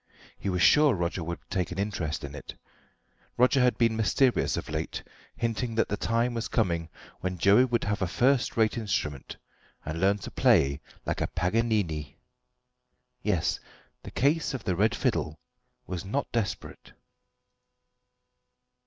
He was sure Roger would take an interest in it. Roger had been mysterious of late, hinting that the time was coming when Joey would have a first rate instrument and learn to play like a Paganini. Yes; the case of the red fiddle was not desperate.